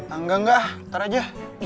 enggak enggak ntar aja